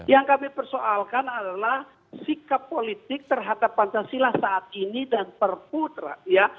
yang kami persoalkan adalah sikap politik terhadap pancasila saat ini dan perputra ya